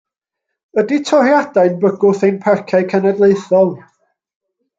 Ydi toriadau'n bygwth ein Parciau Cenedlaethol?